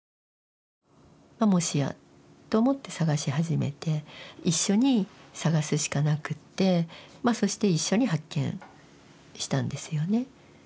もしやと思って捜し始めて一緒に捜すしかなくってまあそして一緒に発見したんですよね。